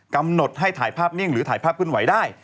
กำหนดให้ถ่ายภาพนิ่งหรือถ่ายภาพขึ้นไหวได้